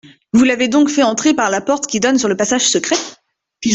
Vous l’avez donc fait entrer parla porte qui donne sur le passage secret ?